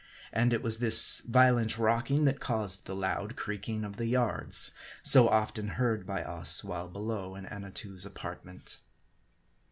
And it was this violent rocking that caused the loud creaking of the yards, so often heard by us while below in Annatoo's apart ment.